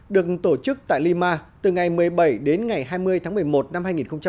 được tổ chức tại lima từ ngày một mươi bảy đến ngày hai mươi tháng một mươi một năm hai nghìn một mươi chín